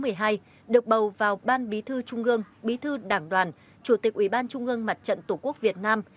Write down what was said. tại hội nghị trung ương bảy khóa một mươi hai được bầu vào ban bí thư trung ương bí thư đảng đoàn chủ tịch ủy ban trung ương mặt trận tổ quốc việt nam